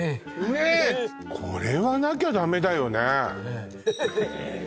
これはなきゃダメだよねええ